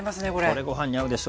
これご飯に合うでしょ。